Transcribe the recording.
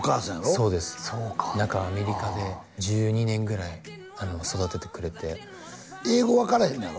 そうですそうか中アメリカで１２年ぐらい育ててくれて英語分かれへんのやろ？